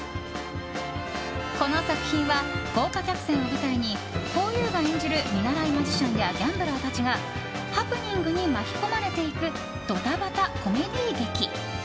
この作品は豪華客船を舞台にふぉゆが演じる見習いマジシャンやギャンブラーたちがハプニングに巻き込まれていくドタバタコメディー劇。